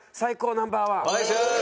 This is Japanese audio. お願いします！